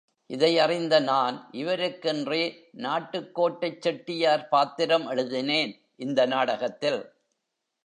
இதையறிந்த நான், இவருக்கென்றே நாட்டுக்கோட்டைச் செட்டியார் பாத்திரம் எழுதினேன் இந்த நாடகத்தில்.